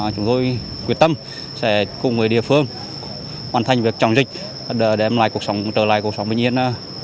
chúng tôi quyết tâm sẽ cùng với địa phương hoàn thành việc chống dịch để trở lại cuộc sống bình yên